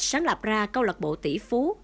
sáng lập ra câu lật bộ tỷ phú